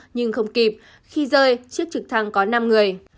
nhưng không kịp khi rơi chiếc trực thăng có năm người